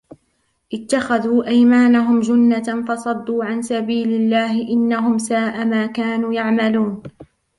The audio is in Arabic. اتخذوا أيمانهم جنة فصدوا عن سبيل الله إنهم ساء ما كانوا يعملون